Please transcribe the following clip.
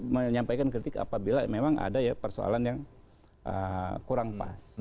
menyampaikan kritik apabila memang ada ya persoalan yang kurang pas